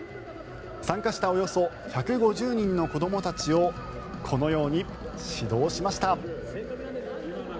参加したおよそ１５０人の子どもたちをこのように指導しました。